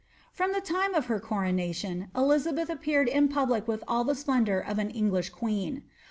. 1 am the time of her coronation, Elizabeth appeared in public ^''t&l e splendour of an English queen.